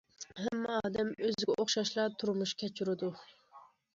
ھەممە ئادەم ئۆزىگە ئوخشاشلا تۇرمۇش كەچۈرىدۇ.